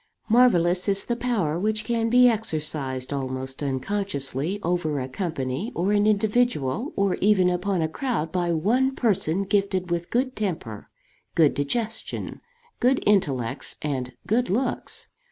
Marvellous is the power which can be exercised, almost unconsciously, over a company, or an individual, or even upon a crowd by one person gifted with good temper, good digestion, good intellects, and good looks.